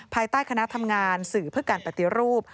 ภายใต้คณะทำงานสื่อเพื่อการปฏิรูป